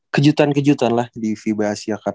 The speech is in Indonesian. kejutan kejutan lah di fiba asia cup